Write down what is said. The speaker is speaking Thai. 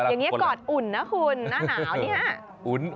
ปรากฏอุ่นนะคุณหน้าหนาวนี้